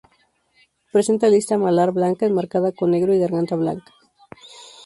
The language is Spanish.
Presenta lista malar blanca enmarcada con negro y garganta blanca.